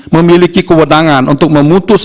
memiliki kewenangan untuk memutus